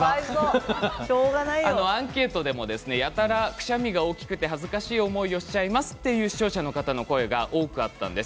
アンケートでもやたらくしゃみが大きくて恥ずかしい思いをしていますという視聴者の方の声が多かったんです。